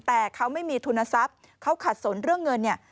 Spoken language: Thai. แต่เขาไม่มีทุนทรัพย์เขาขัดสนเรื่องเงินเนี่ย